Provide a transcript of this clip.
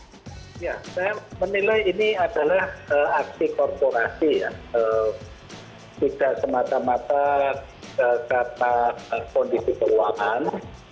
saya menilai ini adalah aksi korporasi tidak semata mata kata kondisi keuangan